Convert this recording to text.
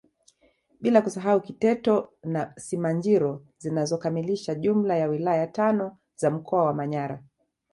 Bila kusahau Kiteto na Simanjiro zinazokamilisha jumla ya wilaya tano za mkoa wa Manyara